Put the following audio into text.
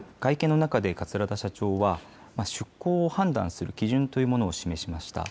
会見の中で桂田社長は出航を判断する基準というものを示しました。